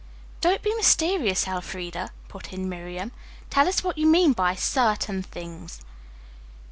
"Don't be mysterious, Elfreda," put in Miriam. "Tell us what you mean by 'certain things'?"